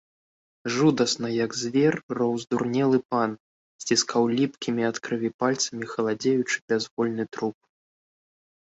Жудасна, як звер, роў здурнелы пан, сціскаў ліпкімі ад крыві пальцамі халадзеючы бязвольны труп.